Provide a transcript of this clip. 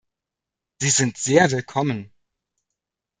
Sie sind sehr willkommen.